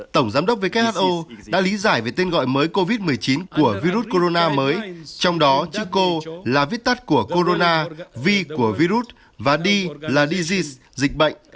tổng giám đốc who đã lý giải về tên gọi mới covid một mươi chín của virus corona mới trong đó chữ co là viết tắt của corona v của virus và d là dise dịch bệnh